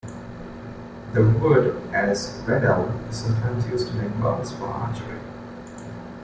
The wood, as 'red elm', is sometimes used to make bows for archery.